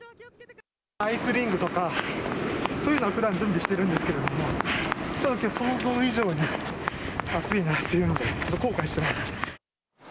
アイスリングとか、そういうのをふだん、準備しているんですけれども、ちょっと、きょう、想像以上に暑いなっていうので、後悔してます。